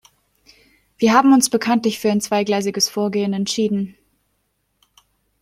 Wir haben uns bekanntlich für ein zweigleisiges Vorgehen entschieden.